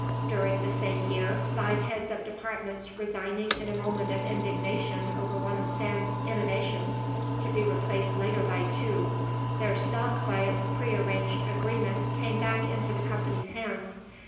During the same year five heads of departments resigning in a moment of indignation over one of Sam's innovations to be replaced later by two their stock by a prearranged agreement came back into the company's hands.